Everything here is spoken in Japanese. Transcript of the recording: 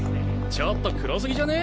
ちょっと黒過ぎじゃね？